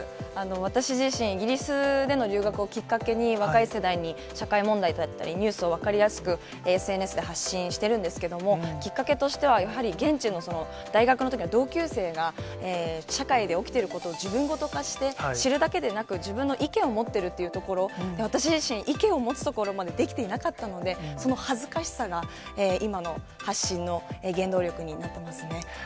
私自身、イギリスでの留学をきっかけに、若い世代に社会問題だったり、ニュースを分かりやすく、ＳＮＳで発信してるんですけれども、きっかけとしては、やはり現地の大学のときの同級生が、社会で起きていることを自分事化して、知るだけでなく、自分の意見を持ってるっていうところ、私自身、意見を持つところまでできていなかったので、その恥ずかしさが今の発信の原動力になってますね。